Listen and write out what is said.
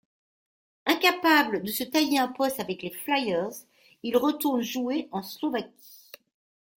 Incapable de se tailler un poste avec les Flyers, il retourne jouer en Slovaquie.